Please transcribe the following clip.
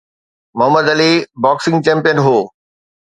Muhammad Ali boxing champion هو.